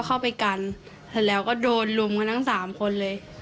ก็เข้าไปกันถึงแล้วก็โดนลุงกันทั้ง๓คนเลย